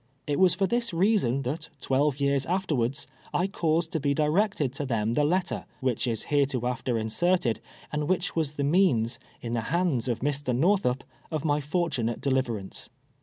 It was for this rea son that, twelve years afterwards, I caused to be di rected to them the letter, which is hereinafter insert ed, and which was the ineans, in the hands of Mr. Korthup, of my fortunate deliverance.